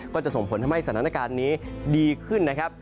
ก็จะส่งผลทำให้สถานการณ์นี้ดีขึ้นนะครับ